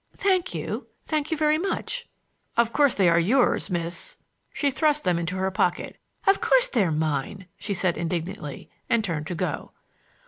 "Thank you; thank you very much." "Of course they are yours, Miss—" She thrust them into her pocket. "Of course they're mine," she said indignantly, and turned to go.